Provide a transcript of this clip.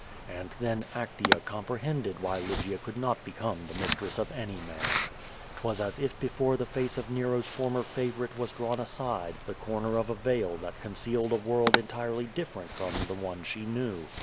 And then Actea comprehended why Lygia could not become the mistress of any man. ^Twas as if before the face of Nero^s former favorite was drawn aside the corner of a veil that concealed a world entirely different from the one she knew.